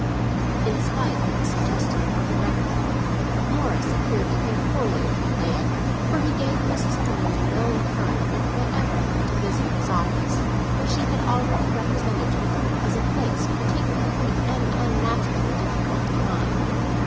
In spite of the suggestion about the reticule, Morris appeared to think poorly of the plan, for he gave Mrs. Penniman no encouragement whatever to visit his office, which he had already represented to her as a place peculiarly and unnaturally difficult to find.